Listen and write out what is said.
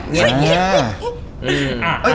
ใช่